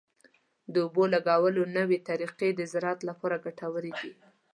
د اوبو لګولو نوې طریقې د زراعت لپاره ګټورې دي.